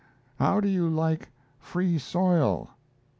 How do you like "free soil"?